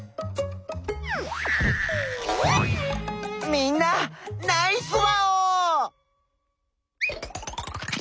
みんなナイスワオー！